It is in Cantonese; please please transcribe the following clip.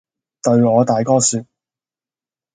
對我大哥說，